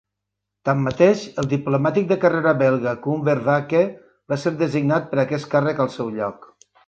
Tanmateix, el diplomàtic de carrera belga Koen Vervaeke va ser designat per aquest càrrec al seu lloc.